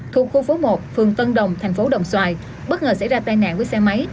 thuộc khu phố một phường tân đồng thành phố đồng xoài bất ngờ xảy ra tai nạn với xe máy